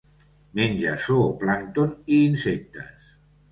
Menja zooplàncton i insectes.